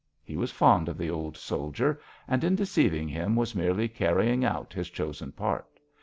He was fond of the old soldier, and in deceiving him was merely carrying out his chosen part.